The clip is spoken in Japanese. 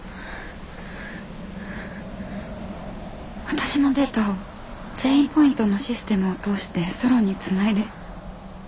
私のデータを善意ポイントのシステムを通してソロンにつないで。